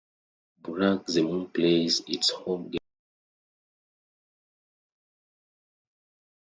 Borac Zemun plays its home games at the Pinki Hall.